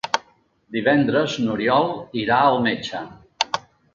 Divendres n'Oriol irà al metge.